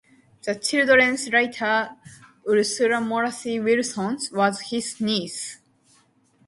The children's writer Ursula Moray Williams was his niece.